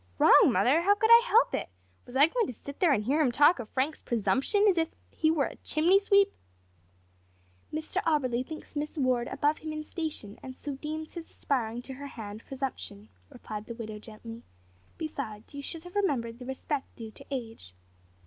"Wrong, mother! how could I help it? Was I going to sit there and hear him talk of Frank's presumption as if he were a chimney sweep?" "Mr Auberly thinks Miss Ward above him in station, and so deems his aspiring to her hand presumption," replied the widow gently. "Besides, you should have remembered the respect due to age."